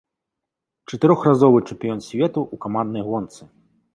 Чатырохразовы чэмпіён свету ў каманднай гонцы.